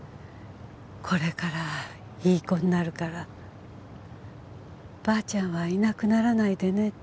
「これからいい子になるからばあちゃんはいなくならないでね」